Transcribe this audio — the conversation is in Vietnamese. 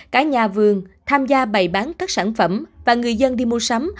cả nhà vườn tham gia bày bán các sản phẩm và người dân đi mua sắm